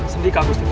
sendika gusti prabu